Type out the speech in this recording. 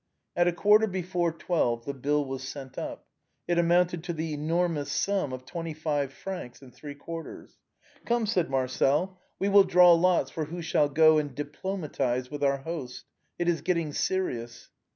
At a quarter before twelve the bill was sent up. It amounted to the enormous sum of twenty five francs and three quarters. " Come," said Marcel, " we will draw lots for who shall go and diplomatize with our host. It is getting serious."